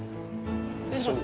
失礼します。